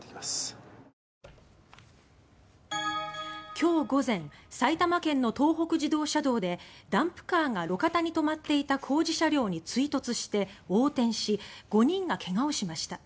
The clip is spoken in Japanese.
今日午前埼玉県の東北自動車道でダンプカーが路肩に止まっていた工事車両に追突して横転し５人が怪我をしました。